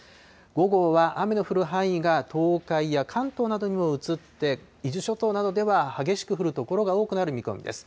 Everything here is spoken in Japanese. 午後は雨の降る範囲が東海や関東などにも移って、伊豆諸島などでは激しく降る所が多くなる見込みです。